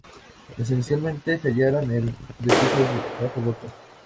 Esencialmente se hallaron en refugios bajo rocas.